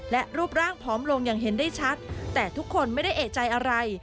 และรูปร่างผอมลงอย่างเห็นได้ชัดแต่ทุกคนไม่ได้เอกใจอะไร